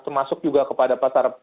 termasuk juga kepada emas